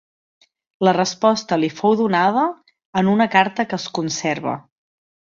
La resposta li fou donada en una carta que es conserva.